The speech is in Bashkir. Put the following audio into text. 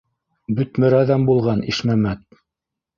Бөтмөр әҙәм булған Ишмәмәт.